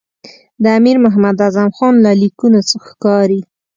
د امیر محمد اعظم خان له لیکونو ښکاري.